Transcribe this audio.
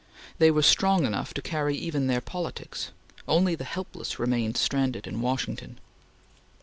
They were strong enough to carry even their politics. Only the helpless remained stranded in Washington.